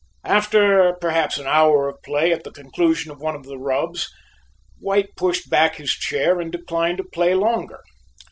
After, perhaps, an hour of play, at the conclusion of one of the "rubs," White pushed back his chair and declined to play longer.